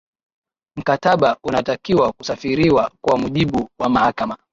mkataba unatakiwa kufasiriwa kwa mujibu wa mahakama